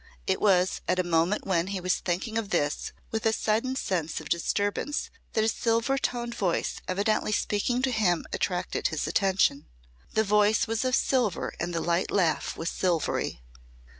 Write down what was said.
It was at a moment when he was thinking of this with a sudden sense of disturbance that a silver toned voice evidently speaking to him attracted his attention. The voice was of silver and the light laugh was silvery.